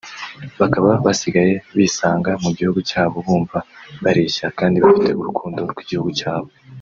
bakaba basigaye bisanga mu gihugu cyabo bumva bareshya kandi bafite urukundo rw’igihugu cyabo